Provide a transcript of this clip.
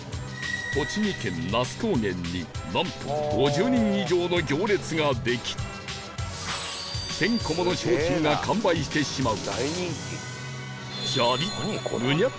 栃木県那須高原になんと５０人以上の行列ができ１０００個もの商品が完売してしまう